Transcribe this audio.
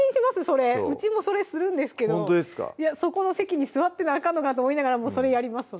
それうちもそれするんですけどそこの席に座ってなあかんのかと思いながらもそれをやります